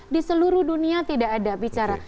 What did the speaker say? di seluruh dunia tidak ada bicara